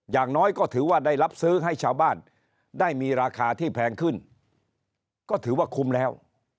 อย่างน้อยก็ถือว่าได้รับซื้อให้ชาวบ้านได้มีราคาที่แพงขึ้นก็ถือว่าคุ้มแล้ว